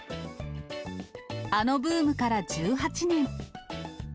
あのブームから１８年。